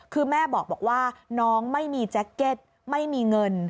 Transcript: คือแม่บอกว่าน้องไม่มีแจ็คเก็ตไม่มีเงิน